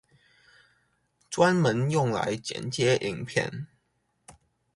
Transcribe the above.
專門用來剪接影片